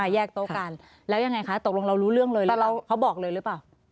แยกโต๊ะกันแล้วยังไงคะตกลงเรารู้เรื่องเลยแล้วเขาบอกเลยหรือเปล่า